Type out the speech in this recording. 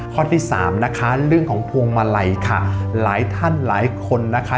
ข้อที่สามนะคะเรื่องของพวงมาลัยค่ะหลายท่านหลายคนนะคะ